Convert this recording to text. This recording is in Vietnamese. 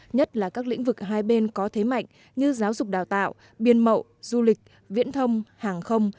nhất là các lĩnh vực hai bên có thế mạnh như giáo dục đào tạo biên mậu du lịch viễn thông hàng không